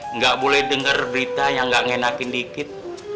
enggak boleh denger berita yang gak ngenakin dikit